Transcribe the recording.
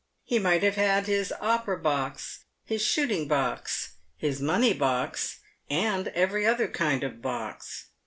He might have had his Opera box, his shooting box, his money box, and every other kind of box.